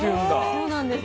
そうなんです。